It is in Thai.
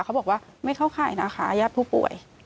เขาบอกว่าไม่เข้าข่ายนะคะญาติผู้ป่วย